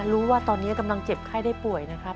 รู้ว่าตอนนี้กำลังเจ็บไข้ได้ป่วยนะครับ